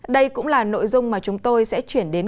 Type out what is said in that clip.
đây cũng là nội dung mà chúng tôi sẽ chuyển đến